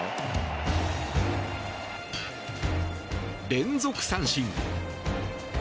連続三振。